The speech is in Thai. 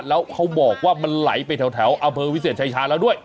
แล้วเขาบอกว่ามันไหลไปแถวอำเภอวิเศษชายชาแล้วด้วย